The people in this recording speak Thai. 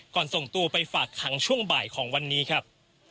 ส่งตัวไปฝากขังช่วงบ่ายของวันนี้ครับ